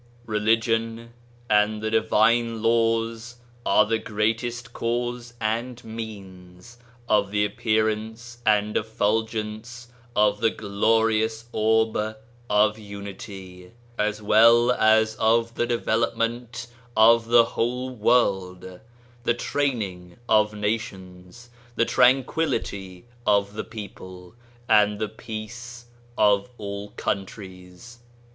Religion and the Divine Laws are the greatest cause and means of the appearance and effulgence of the glorious orb of unity, as well as of the development of the world, the training of nations, the tranquility of the people, and the peace of all coimtries."